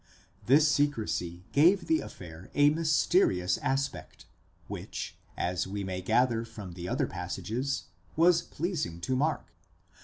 This secrecy gave the affair a mysterious aspect, which, as we may gather from other passages, was pleasing to Mark.